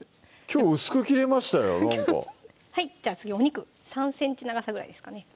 きょう薄く切れましたよなんかじゃ次お肉３ｃｍ長さぐらいですかね